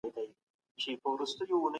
ښه اخلاق له بدو اخلاقو څخه ډېر ارزښت لري.